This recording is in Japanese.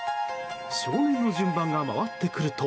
少年の順番が回ってくると。